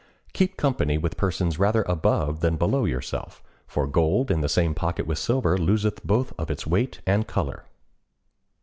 Keep company with persons rather above than below yourself; for gold in the same pocket with silver loseth both of its weight and color.